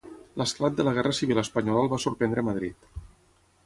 L'esclat de la guerra civil espanyola el va sorprendre a Madrid.